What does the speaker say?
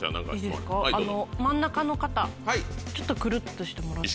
真ん中の方ちょっとクルっとしてもらって。